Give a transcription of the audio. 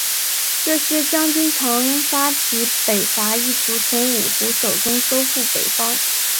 这些将军常发起北伐意图从五胡手中收复北方。